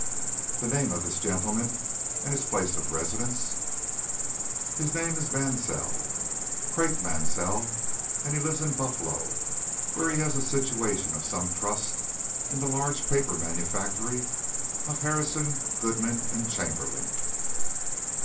"The name of this gentleman and his place of residence?" "His name is Mansell Craik Mansell and he lives in Buffalo, where he has a situation of some trust in the large paper manufactory of Harrison, Goodman, & Chamberlin."